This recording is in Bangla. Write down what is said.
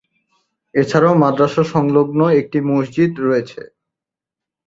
এছাড়াও মাদ্রাসা সংলগ্ন একটি মসজিদ রয়েছে।